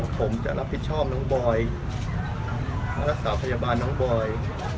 ผมจะรับผิดชอบน้องบอยรักษาพยาบาลน้องบอย